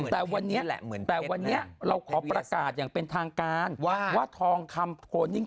แต่วันนี้เราขอประกาศอย่างเป็นทางการว่าทองคำโครนิ่ง